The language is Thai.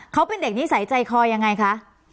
เขาเป็นเด็กนิสัยใจคอยังไงคะ